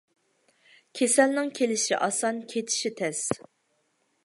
كېسەلنىڭ كېلىشى ئاسان، كېتىشى تەس.